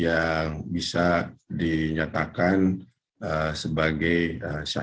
yang mewujudkan pengambilan penuh penyakit yang sedang dinas eraf